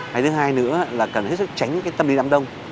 hay thứ hai nữa là cần hết sức tránh những tâm lý đám đông